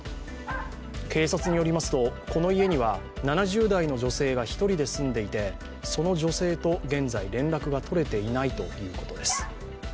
警察によりますと、この家には７０代の女性が１人で住んでいてその女性と現在、連絡が取れていないということです。